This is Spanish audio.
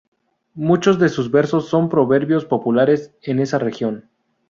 Muchos de sus versos son proverbios populares en esa región.